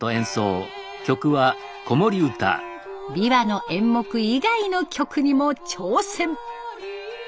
琵琶の演目以外の曲にも挑戦。